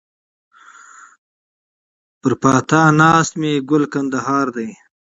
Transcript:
پر پاتا ناست مي ګل کندهار دی